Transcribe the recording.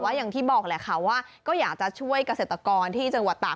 อย่างที่บอกแหละค่ะว่าก็อยากจะช่วยเกษตรกรที่จังหวัดตาก